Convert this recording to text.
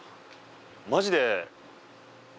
マジで。